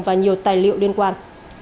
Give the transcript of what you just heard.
và nhiều tài liệu liên quan